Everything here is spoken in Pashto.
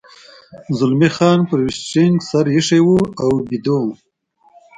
زلمی خان پر سټرینګ سر اېښی و او ویده و.